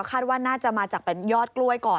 คาดว่าน่าจะมาจากเป็นยอดกล้วยก่อน